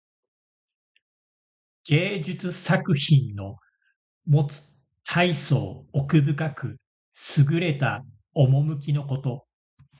芸術作品のもつたいそう奥深くすぐれた趣のこと。